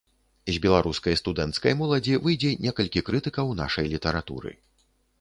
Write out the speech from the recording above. З беларускай студэнцкай моладзі выйдзе некалькі крытыкаў нашай літаратуры.